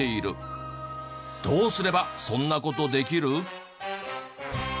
どうすればそんな事できる？